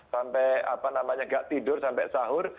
sampai apa namanya gak tidur sampai sahur